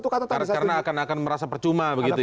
karena akan merasa percuma